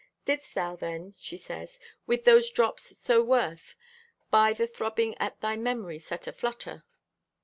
"Didst thou then," she says, "with those drops so worth, buy the throbbing at thy memory set aflutter?